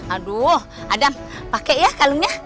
aduh adam pakai ya kalungnya